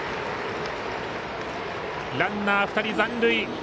ランナー、２人残塁。